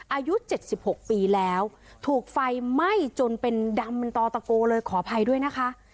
อายุ๗๖ปีแล้วถูกไฟไหม้จนเป็นดำเป็นต่อตะโกเลยขออภัยด้วยนะคะ